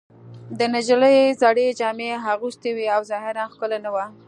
دې نجلۍ زړې جامې اغوستې وې او ظاهراً ښکلې نه وه